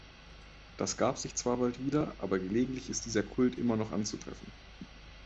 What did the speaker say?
Das gab sich zwar bald wieder, aber gelegentlich ist dieser Kult immer noch anzutreffen.